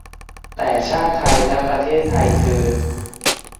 แต่ชาติและประเทศไทยเทอญ